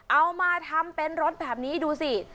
เอามาทำเป็นรถแบบนี้ดูสิ